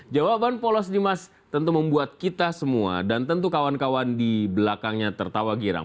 jawaban polos dimas tentu membuat kita semua dan tentu kawan kawan di belakangnya tertawa girang